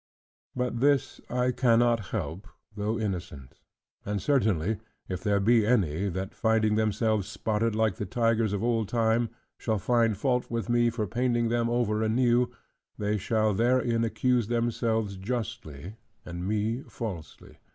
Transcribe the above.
But this I cannot help, though innocent. And certainly, if there be any, that finding themselves spotted like the tigers of old time, shall find fault with me for painting them over anew, they shall therein accuse themselves justly, and me falsely.